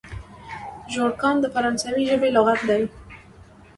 ژورګان د فرانسوي ژبي لغات دئ.